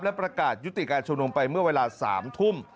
และประกาศยุติการชุมนุมไปเมื่อเวลา๓ทุ่ม